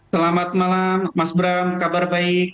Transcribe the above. selamat malam mas bram kabar baik